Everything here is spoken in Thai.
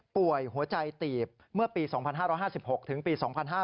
หัวใจตีบเมื่อปี๒๕๕๖ถึงปี๒๕๕๙